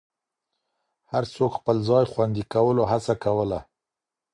هر څوک خپل ځای خوندي کولو هڅه کوله.